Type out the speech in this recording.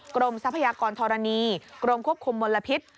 ทรัพยากรธรณีกรมควบคุมมลพิษ